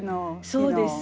そうです。